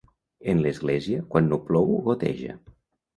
En l'església, quan no plou, goteja.